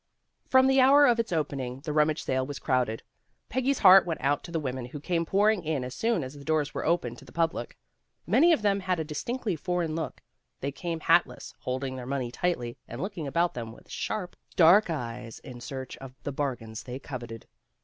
From the hour of its opening, the rummage sale was crowded. Peggy's heart went out to the women who came pouring in as soon as the doors were opened to the public. Many of them had a distinctly foreign look. They came hatless, holding their money tightly, and look ing about them with sharp, dark eyes in search of the bargains they coveted.